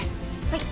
はい。